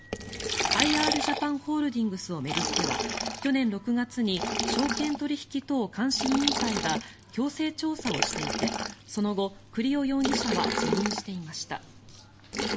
アイ・アールジャパンホールディングスを巡っては去年６月に証券取引等監視委員会が強制調査をしていてその後、栗尾容疑者は辞任していました。